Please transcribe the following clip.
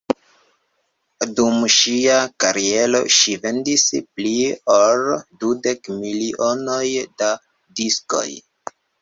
Dum ŝia kariero ŝi vendis pli ol dudek milionoj da diskoj.